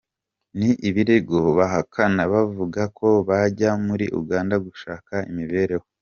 Ni ibirego bahakana bavuga ko bajya muri Uganda gushaka imibereho.